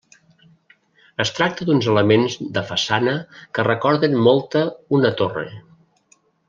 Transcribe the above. Es tracta d'uns elements de façana que recorden molta una torre.